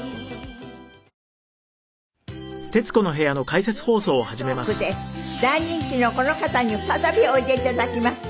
痛快なトークで大人気のこの方に再びおいで頂きました。